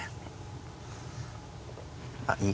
あっいい？